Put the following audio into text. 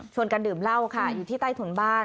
กันดื่มเหล้าค่ะอยู่ที่ใต้ถุนบ้าน